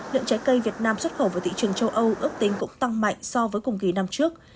lượng trái cây việt nam xuất khẩu vào thị trường châu âu ước tính cũng tăng mạnh so với cùng kỳ năm trước